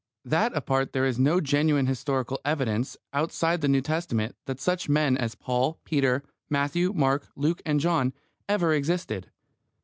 That apart, there is no genuine historical evidence, outside the New Testament, that such men as Paul, Peter, Matthew, Mark, Luke, and John ever existed.